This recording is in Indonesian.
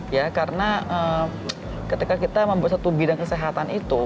ya karena ketika kita membuat satu bidang kesehatan itu